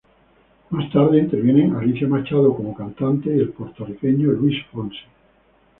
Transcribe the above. Más tarde intervienen Alicia Machado como cantante y el puertorriqueño Luis Fonsi.